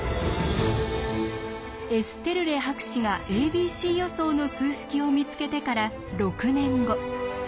エステルレ博士が「ａｂｃ予想」の数式を見つけてから６年後。